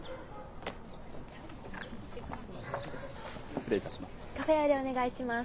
失礼いたします。